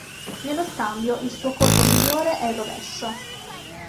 Nello scambio il suo colpo migliore è il rovescio.